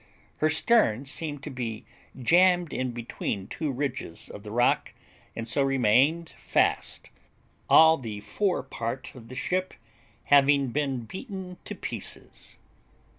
Her stern seemed to be jammed in between two ridges of the rock, and so remained fast, all the fore part of the ship having been beaten to pieces.